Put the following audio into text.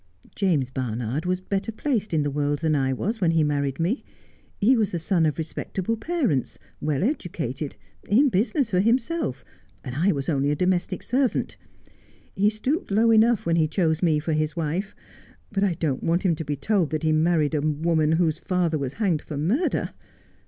James Barnard was better placed in the world than I was when he married me. He was the son of respectable parents, well educated, in business for himself, and 1 was only a domestic servant. He stooped low enough when he chose me for his wife, but I don't want him to be told that he married a woman whose father was hanged for murder.